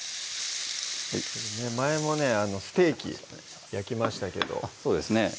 前もねステーキ焼きましたけどそうですね